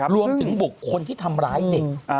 รวมถึงบุคคลที่ทำร้ายเด็ก